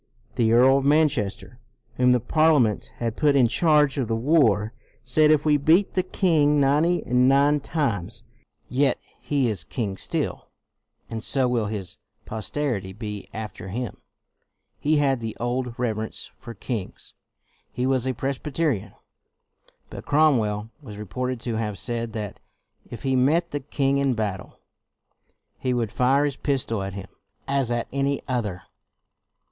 The Earl of Manchester, whom the Parliament had put in charge of the war, said, " If we beat the king ninety and nine times, yet he is king still, and so will his posterity be after him." He had the old reverence for kings. He was a Pres byterian. But Cromwell was reported to have said that " if he met the king in battle, he would fire his pistol at him as at another.''